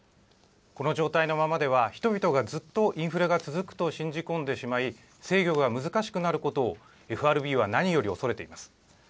この状態のままでは、人々がずっとインフレが続くと信じ込んでしまい、制御が難しくなることをＦＲＢは何より恐れています。